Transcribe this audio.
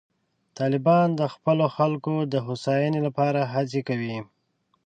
طالبان د خپلو خلکو د هوساینې لپاره هڅې کوي.